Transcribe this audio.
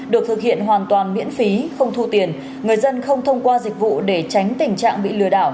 được thực hiện hoàn toàn miễn phí không thu tiền người dân không thông qua dịch vụ để tránh tình trạng bị lừa đảo